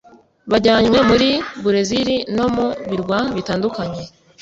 bajyanywe muri Burezili no mu birwa bitandukanye